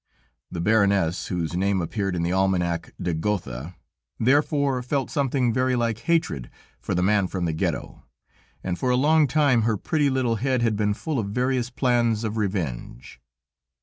The baroness, whose name appeared in the Almanack de Gotha, therefore felt something very like hatred for the man from the Ghetto, and for a long time her pretty little head had been full of various plans of revenge.